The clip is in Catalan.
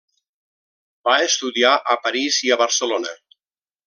Va estudiar a París i a Barcelona.